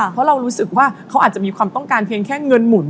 เพราะเรารู้สึกว่าเขาอาจจะมีความต้องการเพียงแค่เงินหมุน